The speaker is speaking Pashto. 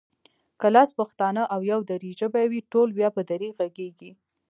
که لس پښتانه او يو دري ژبی وي ټول بیا په دري غږېږي